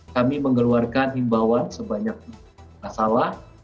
kami mengeluarkan imbauan sebanyak masalah